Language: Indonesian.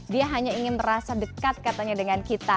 dia hanya ingin merasa dekat katanya dengan kita